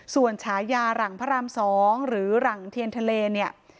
ส่วนฉายาหลังพระราม๒หรือหลังเทียนทะเลเนี่ย